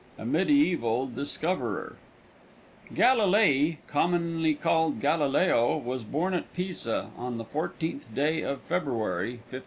A MEDIEVAL DISCOVERER XXI Galilei, commonly called Galileo, was born at Pisa on the 14th day of February, 1564.